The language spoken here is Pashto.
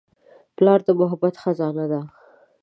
پلار د محبت خزانه ده.